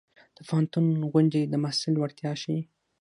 د پوهنتون غونډې د محصل وړتیا ښيي.